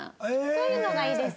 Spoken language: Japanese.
そういうのがいいです。